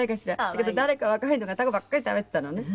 だけど誰か若いのがタコばっかり食べてたのね。